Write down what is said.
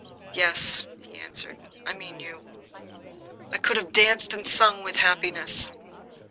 "Yes," he answered, "I mean you." I could have danced and sung with happiness.